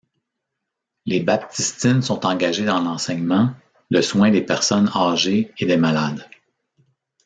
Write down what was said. Les Baptistines sont engagées dans l'enseignement, le soin des personnes âgées et des malades.